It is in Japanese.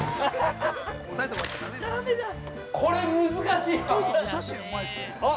これ難しいわ。